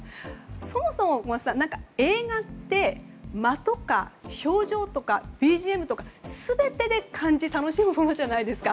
そもそも映画って間とか表情とかＢＧＭとか全てで感じ楽しむものじゃないですか。